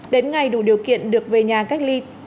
đến ngày đủ điều kiện được về nhà cách ly